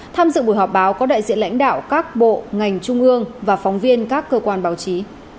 tham dự buổi họp báo có đại diện lãnh đạo các bộ ngành trung ương và phóng viên các cơ quan báo chí